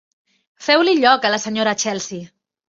Feu-li lloc a la senyora Chelsea.